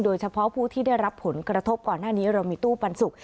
โดยเฉพาะผู้ที่ได้รับผลกระทบก่อนหน้านี้เรามีตู้ปันสุก